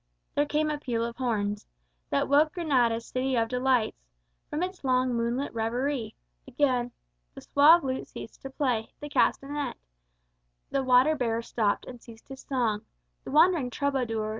There came a peal of horns That woke Granada, city of delights, From its long moonlight reverie. Again: The suave lute ceased to play, the castanet; The water bearer stopped, and ceased his song The wandering troubadour.